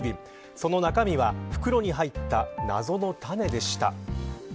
その中身は袋に入った謎の種でした。